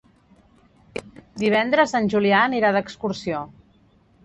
Divendres en Julià anirà d'excursió.